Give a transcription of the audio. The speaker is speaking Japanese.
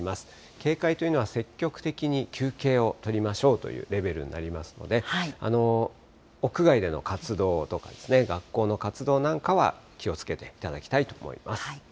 警戒というのは積極的に休憩を取りましょうというレベルになりますので、屋外での活動とか学校の活動なんかは気をつけていただきたいと思います。